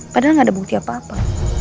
padahal gak ada bukti apa apa